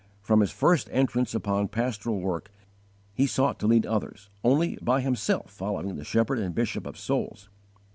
_ From his first entrance upon pastoral work, he sought to lead others only by himself following the Shepherd and Bishop of Souls.